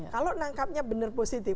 kalau nangkapnya benar positif